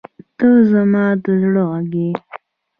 • ته زما د زړه غږ یې.